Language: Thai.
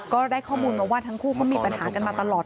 ก็ได้ข้อมูลมาว่าทั้งคู่เขามีปัญหากันมาตลอด